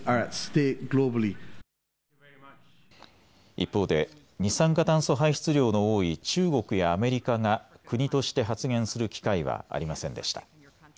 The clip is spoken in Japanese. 一方で二酸化炭素排出量の多い中国やアメリカが国として発言する機会はありませんでした。